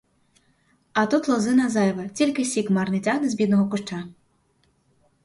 А тут лозина зайва, тільки сік марне тягне з бідного куща.